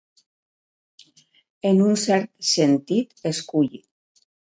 En un cert sentit, esculli.